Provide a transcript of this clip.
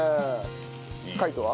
海人は？